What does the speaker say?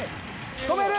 止める？